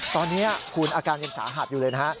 ตอนนี้คุณอาการยังสาหัสอยู่เลยนะฮะ